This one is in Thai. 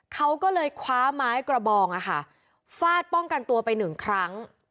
เขาก็เลยคว้าไม้กระบองฟาดป้องกันตัวไปหนึ่งครั้ง